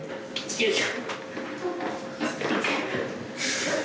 よいしょ。